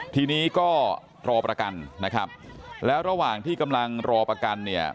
ทีนี้ก็รอประกันนะครับแล้วระหว่างที่กำลังรอประกันเนี่ย